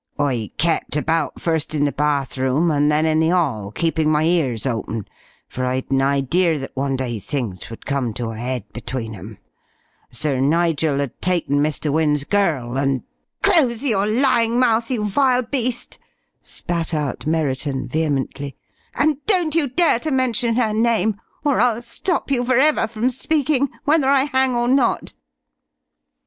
"I kept about, first in the bathroom, and then in the 'all, keeping my ears open, for I'd an idea that one day things would come to a 'ead between 'em. Sir Nigel had taken Mr. Wynne's girl and " "Close your lying mouth, you vile beast!" spat out Merriton, vehemently, "and don't you dare to mention her name, or I'll stop you for ever from speaking, whether I hang or not!"